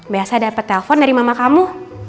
biasa dapet telepon dari mama kamu